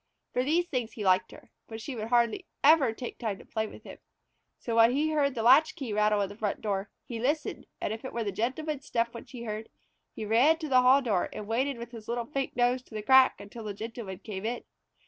For these things he liked her, but she would hardly ever take time to play with him. So, when he heard the latch key rattle in the front door, he listened, and if it were the Gentleman's step which he heard, he ran to the hall door and waited with his little pink nose to the crack until the Gentleman came in.